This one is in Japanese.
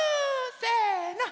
せの。